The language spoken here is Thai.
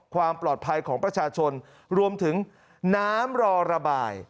ความปลอดภัยของประชาชนรวมถึงน้ำรอระบาย